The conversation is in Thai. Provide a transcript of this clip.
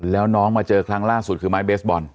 แล้วน้องมาเจอครั้งล่าสุดคือไม้เบสบอล